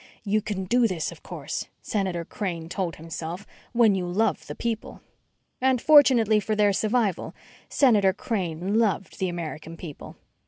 You can do this, of course, Senator Crane told himself, when you love the people. And, fortunately for their survival, Senator Crane loved the American people.